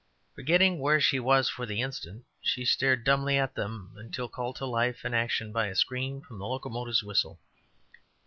Forgetting where she was for the instant, she stared dumbly at them until called to life and action by a scream from the locomotive's whistle.